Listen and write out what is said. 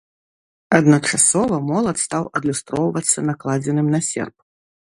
Адначасова молат стаў адлюстроўвацца накладзеным на серп.